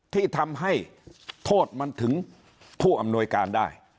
ที่ทำให้โทษมันถึงผู้อำนวยการได้